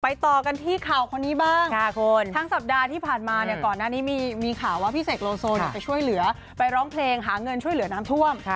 ต่อกันที่ข่าวคนนี้บ้างทั้งสัปดาห์ที่ผ่านมาเนี่ยก่อนหน้านี้มีข่าวว่าพี่เสกโลโซไปช่วยเหลือไปร้องเพลงหาเงินช่วยเหลือน้ำท่วม